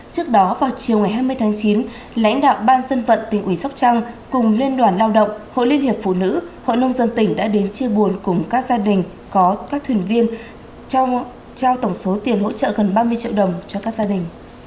trước đó vào chiều ngày hai mươi tháng chín lãnh đạo ban dân vận tỉnh ủy sóc trăng cùng liên đoàn lao động hội liên hiệp phụ nữ hội nông dân tỉnh đã đến chia buồn cùng các gia đình có các thuyền viên trao tổng số tiền hỗ trợ gần ba mươi triệu đồng cho các gia đình